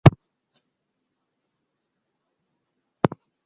Dos especies sólo se pueden encontrar en las montañas del sudeste de Asia.